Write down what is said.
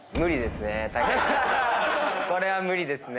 これは無理ですね。